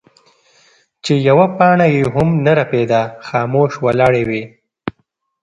چې يوه پاڼه يې هم نۀ رپيده خاموش ولاړې وې ـ